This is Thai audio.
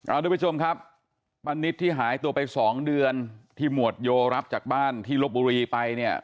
เอาทุกผู้ชมครับป้านิตที่หายตัวไปสองเดือนที่หมวดโยรับจากบ้านที่ลบบุรีไปเนี่ย